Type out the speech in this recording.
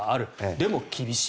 でも、厳しい。